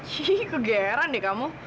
cie kegeran deh kamu